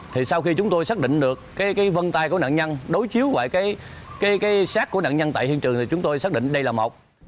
thì sau khi chúng tôi xác định được vân tai của nạn nhân đối chiếu với sát của nạn nhân tại hiện trường thì chúng tôi xác định đây là một